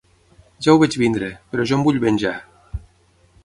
Ja ho veig venir, però jo em vull venjar.